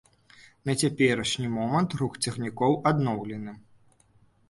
На цяперашні момант рух цягнікоў адноўлены.